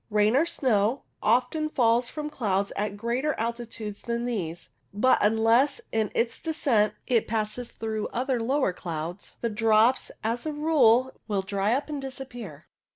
Rain, or snow, often falls from clouds at greater altitudes than these, but unless in its descent it passes through other lower clouds, the drops, as a rule, will dry up and disappear.